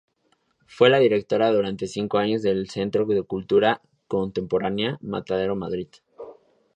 Fue la directora durante cinco años del Centro de Cultura Contemporánea Matadero Madrid.